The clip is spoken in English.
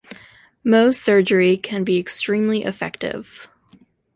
Mohs surgery can be extremely effective.